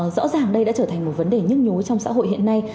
rõ ràng đây đã trở thành một vấn đề nhức nhối trong xã hội hiện nay